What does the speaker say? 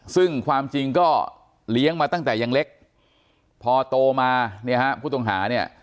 ซึ่งความจริงก็เลี้ยงมาตั้งแต่ยังเล็กพอโตมาเนี่ยฮะผู้ต้องหาเนี่ย